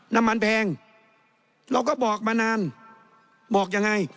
น้ำมันแพงเราก็บอกมานานบอกยังไง